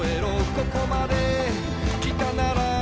「ここまで来たなら」